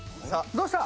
どうした？